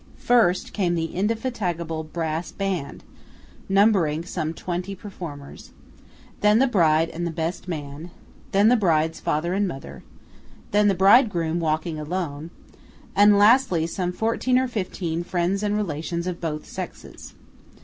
First came the indefatigable brass band, numbering some twenty performers; then the bride and the best man; then the bride's father and mother; then the bridegroom walking alone; and lastly some fourteen or fifteen friends and relations of both sexes.